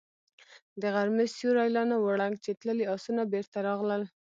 د غرمې سيوری لا نه و ړنګ چې تللي آسونه بېرته راغلل.